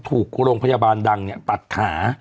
ถูกโรงพยาบาลดังตัดขา